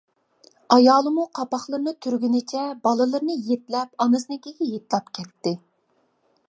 ئايالىمۇ قاپاقلىرىنى تۈرگىنىچە بالىلىرىنى يېتىلەپ ئانىسىنىڭكىگە ھېيتلاپ كەتتى.